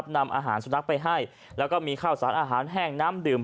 นำอาหารสุนัขไปให้แล้วก็มีข้าวสารอาหารแห้งน้ำดื่ม